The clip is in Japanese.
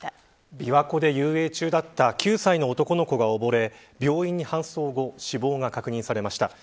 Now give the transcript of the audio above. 琵琶湖で遊泳中だった９歳の男の子が溺れ病院に搬送後死亡が確認されました。